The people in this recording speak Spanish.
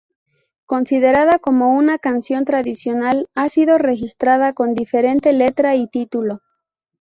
Considerada como una canción tradicional, ha sido registrada con diferente letra y título.